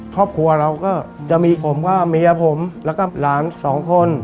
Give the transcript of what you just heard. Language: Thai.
ครอบครัวเราก็จะมีผมก็เมียผมแล้วก็หลานสองคน